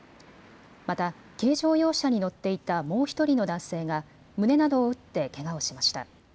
また軽乗用車に乗っていたもう１人の男性が胸などを打ってけがをしました。